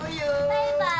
バイバーイ。